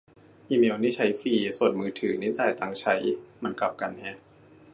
อีเมล์นี่ใช้ฟรี ส่วนมือถือ นี่จ่ายตังค์ใช้ มันกลับกันแฮะ